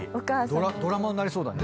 ドラマになりそうだね。